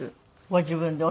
ご自分で？